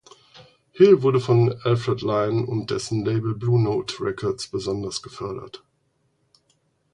Hill wurde von Alfred Lion und dessen Label Blue Note Records besonders gefördert.